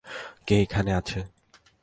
কে এখানে আছে?